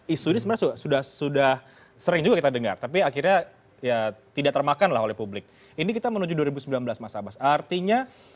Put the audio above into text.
isu ini sebenarnya sudah sering juga kita dengar tapi akhirnya ya tidak termakan lah oleh publik ini kita menuju dua ribu sembilan belas mas abbas artinya